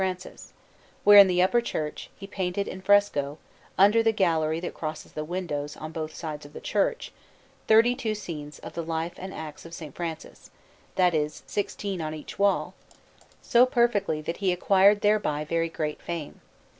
Francis; where, in the upper church, he painted in fresco, under the gallery that crosses the windows, on both sides of the church, thirty two scenes of the life and acts of S. Francis that is, sixteen on each wall so perfectly that he acquired thereby very great fame.